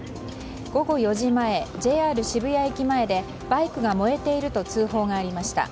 午後４時前、ＪＲ渋谷駅前でバイクが燃えていると通報がありました。